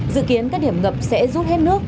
dự kiến các điểm ngập sẽ rút hết nước